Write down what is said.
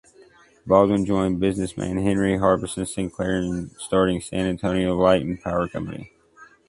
Baldwin joined businessman Henry Harbison Sinclair in starting San Antonio Light and Power Company.